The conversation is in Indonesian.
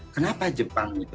kenapa jepang gitu